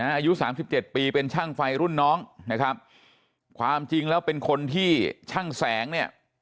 อายุสามสิบเจ็ดปีเป็นช่างไฟรุ่นน้องนะครับความจริงแล้วเป็นคนที่ช่างแสงเนี่ย